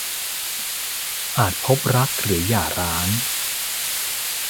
อาจพบรักหรือหย่าร้าง